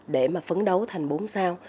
để mà phấn đấu thành bốn sao